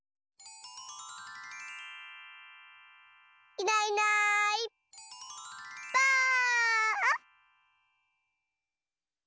いないいないばあっ！